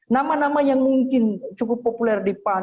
nama nama yang mungkin cukup populer di pan